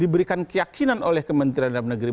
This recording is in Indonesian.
diberikan keyakinan oleh kementerian dan penegeri